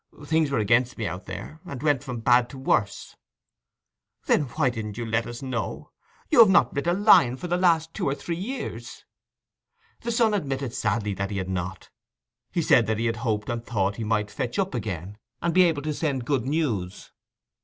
Things were against me out there, and went from bad to worse.' 'Then why didn't you let us know?—you've not writ a line for the last two or three years.' The son admitted sadly that he had not. He said that he had hoped and thought he might fetch up again, and be able to send good news.